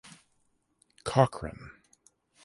Cochran.